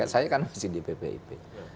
saya kan masih di bpip